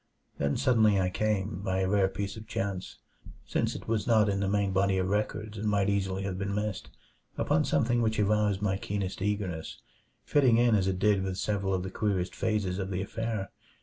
Then suddenly I came by a rare piece of chance, since it was not in the main body of records and might easily have been missed upon something which aroused my keenest eagerness, fitting in as it did with several of the queerest phases of the affair.